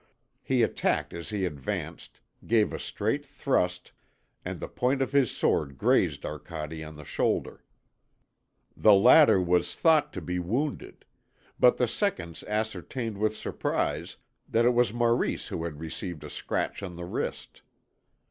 He attacked as he advanced, gave a straight thrust, and the point of his sword grazed Arcade on the shoulder. The latter was thought to be wounded. But the seconds ascertained with surprise that it was Maurice who had received a scratch on the wrist.